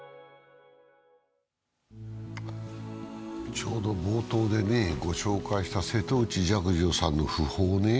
ちょうど冒頭でご紹介した瀬戸内寂聴さんの訃報。